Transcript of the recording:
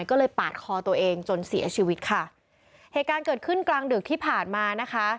ก็เลยปาดคอตัวเองจนเสียชีวิตค่ะเหตุการณ์เกิดขึ้นกลางดึกที่ผ่านมานะคะ